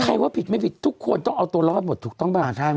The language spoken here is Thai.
ว่าผิดไม่ผิดทุกคนต้องเอาตัวรอดหมดถูกต้องป่ะ